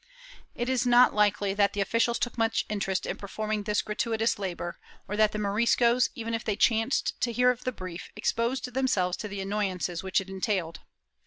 It is not likely that the officials took much interest in performing this gratuitous labor, or that the Moriscos, even if they chanced to hear of the brief, exposed themselves to the annoyances which it entailed.